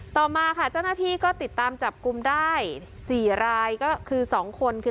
ต่อมาค่ะเจ้าหน้าที่ก็ติดตามจับกลุ่มได้๔รายก็คือ๒คนคือ